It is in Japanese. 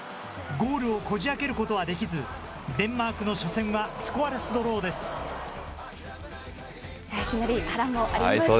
ゴールをこじあけることはできず、デンマークの初戦はスコアレスドローです。